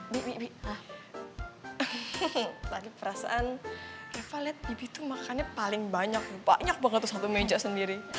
bi bi bi lagi perasaan reva liat bibi tuh makannya paling banyak banyak banget tuh satu meja sendiri